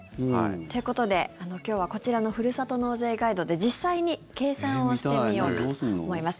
ということで、今日はこちらのふるさと納税ガイドで実際に計算をしてみようかと思います。